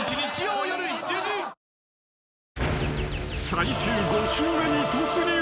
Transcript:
［最終５周目に突入。